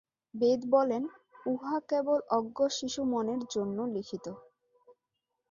বেদ বলেন, উহা কেবল অজ্ঞ শিশু-মনের জন্য লিখিত।